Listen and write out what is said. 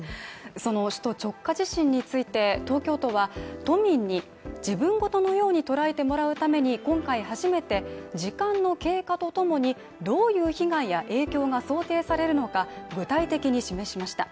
首都直下地震について東京都は都民に自分事のように捉えてもらうために今回初めて、時間の経過とともにどういう被害や影響が想定されるのか具体的に示しました